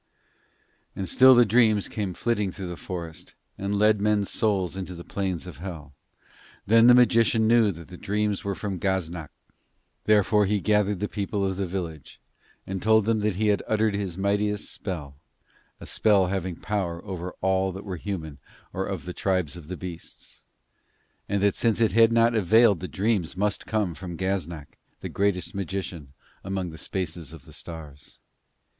And still the dreams came flitting through the forest, and led men's souls into the plains of Hell. Then the magician knew that the dreams were from Gaznak. Therefore he gathered the people of the village, and told them that he had uttered his mightiest spell a spell having power over all that were human or of the tribes of the beasts; and that since it had not availed the dreams must come from Gaznak, the greatest magician among the spaces of the stars.